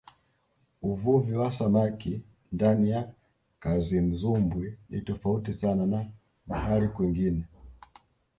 uvuvi wa samaki ndani ya kazimzumbwi ni tofauti sana na mahali kwingine